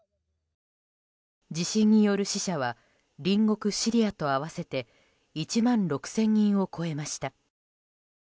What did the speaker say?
地震による死者は隣国シリアと合わせて１万６０００人を超えました。